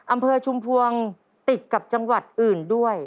อำเภอชุมพวงติดกับจังหวัดอื่นด้วย